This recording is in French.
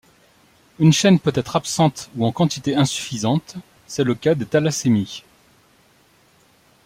Une chaine peut être absente ou en quantité insuffisante, c'est le cas des thalassémies.